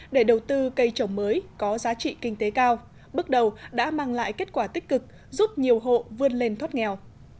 để đầu tư cây trồng mới có giá trị kinh tế cao bước đầu đã mang lại kết quả tích cực giúp nhiều hộ vươn lên thoát nghèo